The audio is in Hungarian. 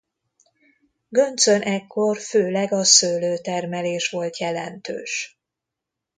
Göncön ekkor főleg a szőlőtermelés volt jelentős.